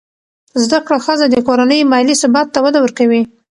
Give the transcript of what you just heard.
زده کړه ښځه د کورنۍ مالي ثبات ته وده ورکوي.